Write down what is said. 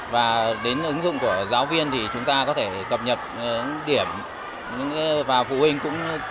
và đến ứng dụng của giáo viên thì chúng ta có thể cập nhật điểm vào phụ huynh